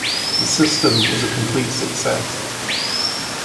The system was a complete success.